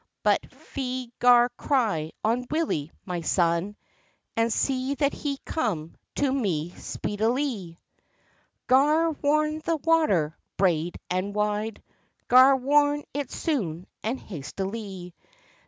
But fye gar cry on Willie, my son, And see that he come to me speedilie! "Gar warn the water, braid and wide, Gar warn it soon and hastily!